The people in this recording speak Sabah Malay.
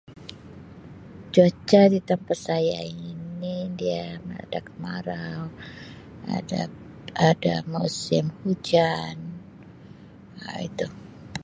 Cuaca di tempat saya ini dia ada kemarau ada-ada musim hujan, ada-